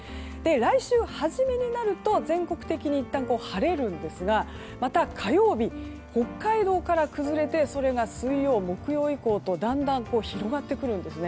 来週初めになると全国的にいったん晴れるんですがまた火曜日北海道から崩れてそれが水曜、木曜以降とだんだん広がってくるんです。